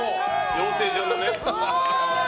養成所のね。